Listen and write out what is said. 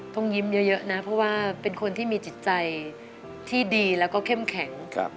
ต้องยิ้มเยอะนะเพราะว่าเป็นคนที่มีจิตใจที่ดีแล้วก็เข้มแข็ง